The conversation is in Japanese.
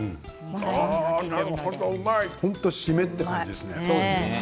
本当に締めという感じですね。